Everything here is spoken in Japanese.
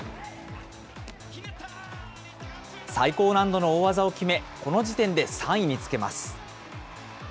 最高難度の大技を決め、この時点で３位につけます。